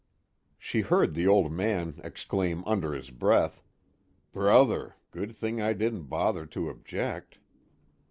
She heard the Old Man exclaim under his breath: "Brother! good thing I didn't bother to object."